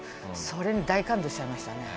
それに大感動しちゃいましたね。